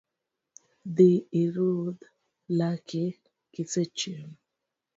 Dhi irudh laki kisechiemo